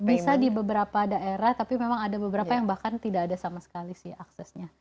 bisa di beberapa daerah tapi memang ada beberapa yang bahkan tidak ada sama sekali sih aksesnya